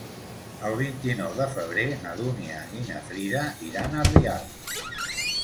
El vint-i-nou de febrer na Dúnia i na Frida iran a Rialp.